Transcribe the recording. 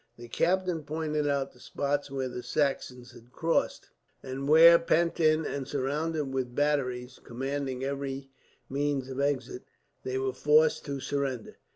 The captain pointed out the spot where the Saxons had crossed; and where, pent in and surrounded with batteries commanding every means of exit, they were forced to surrender.